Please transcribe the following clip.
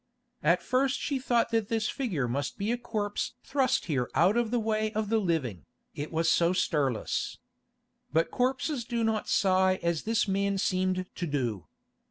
At first she thought that this figure must be a corpse thrust here out of the way of the living, it was so stirless. But corpses do not sigh as this man seemed to do.